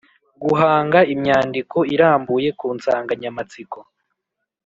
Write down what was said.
Guhanga imyandiko irambuye ku nsanganyamatsiko